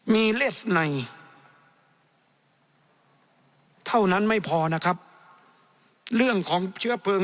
มีเลสไนเท่านั้นไม่พอนะครับเรื่องของเชื้อเพลิง